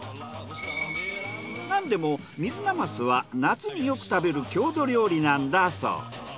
なんでも水なますは夏によく食べる郷土料理なんだそう。